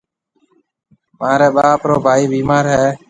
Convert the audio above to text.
مهاريَ ٻاپ رو ڀائي بِيمار هيَ۔